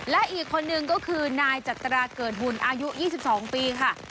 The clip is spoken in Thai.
และอีกคนนึงก็คือนายจัตราเกิดบุญอายุ๒๒ปีค่ะ